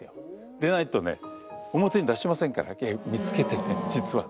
でないとね表に出しませんから見つけてね実は。